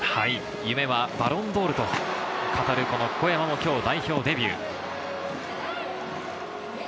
夢はバロンドールと語る小山の代表デビュー。